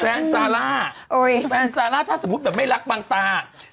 ซาร่าแฟนซาร่าถ้าสมมุติแบบไม่รักบางตา